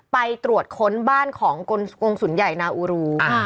ไปตรวจค้นบ้านของกรงศูนย์ใหญ่นาอูรู